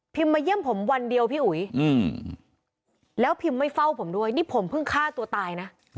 มาเยี่ยมผมวันเดียวพี่อุ๋ยแล้วพิมพ์ไม่เฝ้าผมด้วยนี่ผมเพิ่งฆ่าตัวตายนะ